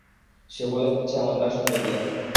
সে বলেছে আমাদের আসন বদলাতে।